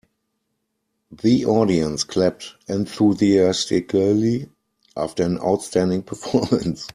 The audience clapped enthusiastically after an outstanding performance.